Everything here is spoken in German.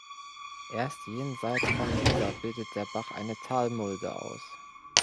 Erst jenseits von dieser bildet der Bach eine Talmulde aus.